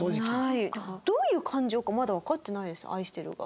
どういう感情かまだわかってないです「愛してる」が。